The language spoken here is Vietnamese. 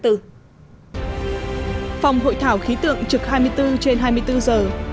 phòng hội thảo khí tượng trực hai mươi bốn trên hai mươi bốn giờ